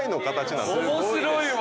面白いわ。